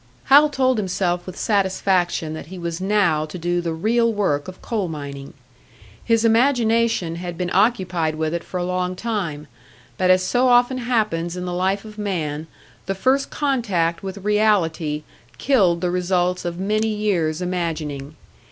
Hal told himself with satisfaction that he was now to do the real work of coal mining. His imagination had been occupied with it for a long time; but as so often happens in the life of man, the first contact with reality killed the results of many years' imagining.